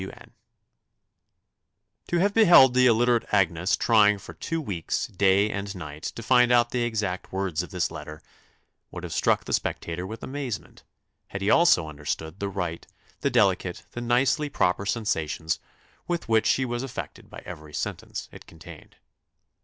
"W. N." To have beheld the illiterate Agnes trying for two weeks, day and night, to find out the exact words of this letter, would have struck the spectator with amazement, had he also understood the right, the delicate, the nicely proper sensations with which she was affected by every sentence it contained.